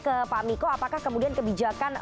ke pak miko apakah kemudian kebijakan